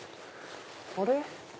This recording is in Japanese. あれ？